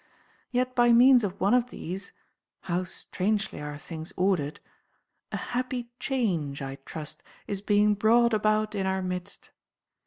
Yet by means of one of these (how strangely are things ordered!) a happy change, I trust, is being brought about in our midst.